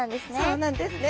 そうなんですね。